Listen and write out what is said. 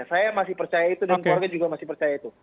saya masih percaya itu dan keluarga juga masih percaya itu